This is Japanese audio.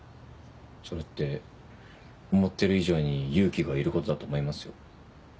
それって思ってる以上に勇気がいることだと思いますよ。